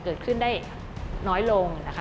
เกิดขึ้นได้น้อยลงนะคะ